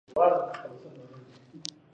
انګریزان ګمان کاوه.